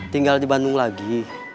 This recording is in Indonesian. tinggal di bandung lagi